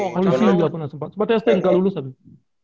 polisi juga pernah sempat sempatnya stng gak lulus abis itu